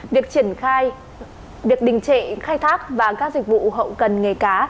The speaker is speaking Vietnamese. việc triển khai việc đình trệ khai thác và các dịch vụ hậu cần nghề cá